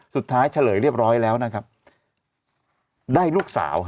เฉลยเรียบร้อยแล้วนะครับได้ลูกสาว